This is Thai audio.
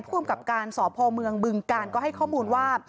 ภดการณ์สอบภอมเมืองมึงการก็ให้ข้อมูลว่า